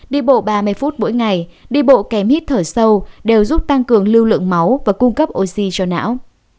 đi bộ ba mươi phút mỗi ngày đi bộ kèm hít thở sâu đều giúp tăng cường lưu lượng máu và cung cấp oxy cho não